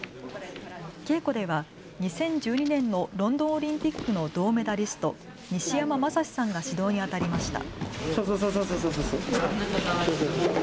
稽古では２０１２年のロンドンオリンピックの銅メダリスト、西山将士さんが指導にあたりました。